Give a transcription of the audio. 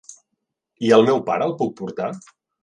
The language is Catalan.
I el meu pare, el puc portar?